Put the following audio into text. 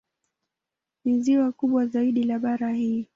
Ni ziwa kubwa zaidi la bara hili.